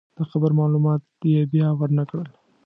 د قبر معلومات یې بیا ورنکړل.